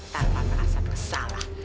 tanpa merasa bersalah